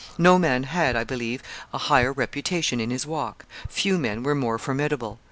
No man had, I believe, a higher reputation in his walk few men were more formidable.